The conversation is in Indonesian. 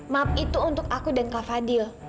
maaf itu untuk aku dan kak fadil